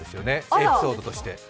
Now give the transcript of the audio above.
エピソードとして。